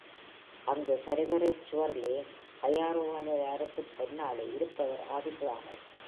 அங்கு கருவறைச் சுவரிலே காயாரோகனருக்குப் பின்னாலே இருப்பவர் ஆதிபுராணர்.